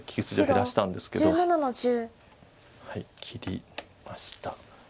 切りました。